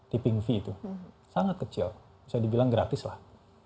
tipping fee itu sangat kecil bisa dibilang gratis lah